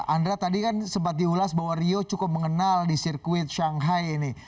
andra tadi kan sempat diulas bahwa rio cukup mengenal di sirkuit shanghai ini